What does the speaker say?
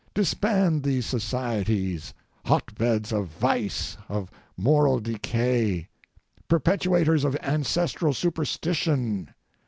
Disband these societies, hotbeds of vice, of moral decay—perpetuators of ancestral superstition.